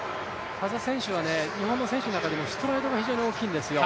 日本の選手の中でもストライドが非常に大きいんですよ。